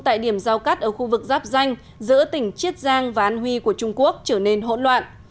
tại điểm giao cắt ở khu vực giáp danh giữa tỉnh chiết giang và an huy của trung quốc trở nên hỗn loạn